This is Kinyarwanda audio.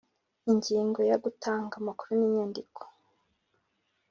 Ingingo ya gutanga amakuru n inyandiko